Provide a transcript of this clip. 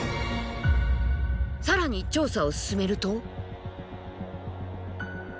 更に調査を進めると。